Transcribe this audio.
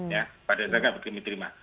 ya pada dasarnya dapat kami terima